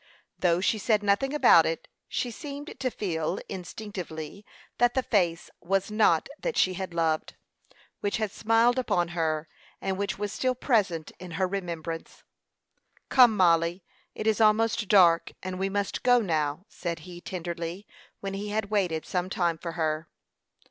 Though she said nothing about it, she seemed to feel, instinctively, that the face was not that she had loved, which had smiled upon her, and which was still present in her remembrance. "Come, Mollie, it is almost dark, and we must go now," said he, tenderly, when he had waited some time for her.